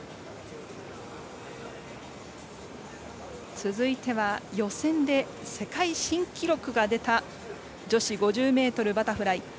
続いては予選で世界新記録が出た女子５０ｍバタフライ。